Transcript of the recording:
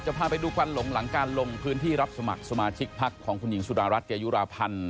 พาไปดูควันหลงหลังการลงพื้นที่รับสมัครสมาชิกพักของคุณหญิงสุดารัฐเกยุราพันธ์